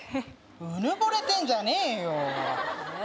うぬぼれてんじゃねえよえ